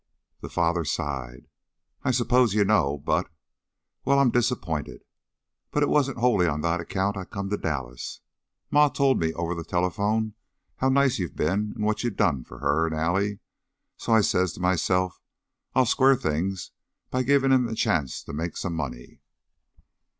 The father sighed. "I s'pose you know, but Well, I'm disapp'inted. But it wasn't hully on that account I come to Dallas. Ma told me over the telephone how nice you been an' what you done for her 'n' Allie, so I says to myself I'll square things by givin' him a chance to make some money."